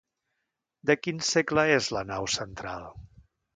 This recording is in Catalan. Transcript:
De quin segle és la nau central?